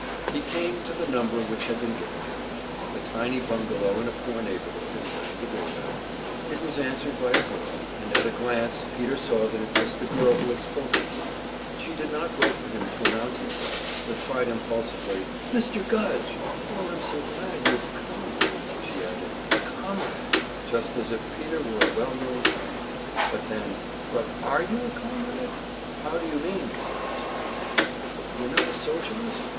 He came to the number which had been given him, a tiny bungalow in a poor neighborhood, and rang the doorbell. It was answered by a girl, and at a glance Peter saw that it was the girl who had spoken to him. She did not wait for him to announce himself, but cried impulsively, "Mr. Gudge! Oh, I'm so glad you've come!" She added, "Comrade!" just as if Peter were a well known friend. And then, "But are you a comrade?" "How do you mean?" asked Peter. "You're not a Socialist?